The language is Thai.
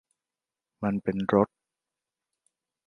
มันเป็นรถ